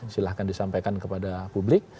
silahkan disampaikan kepada publik